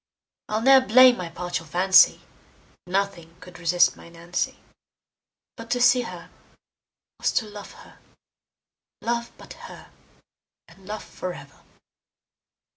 I'll ne'er blame my partial fancy, Nothing could resist my Nancy; But to see her was to love her; Love but her, and love forever.